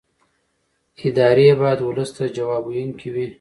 ادارې باید ولس ته ځواب ویونکې وي